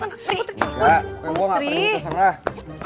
ya oke gue gak pergi terserah